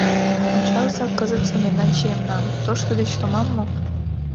Ончалза кызытсе мемнан чиемнам: тошто деч томам мо?